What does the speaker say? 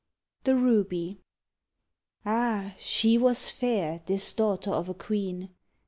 THE RUBY Ah she was fair, this daughter of a queen!